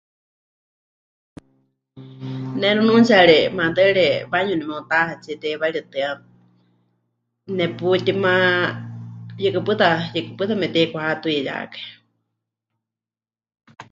Ne nunuutsiyari matɨari baño nemeutáhatsie teiwaritɨ́a neputíma, yɨkɨ pɨta, yɨkɨ pɨta mepɨte'ikuhatuiyákai.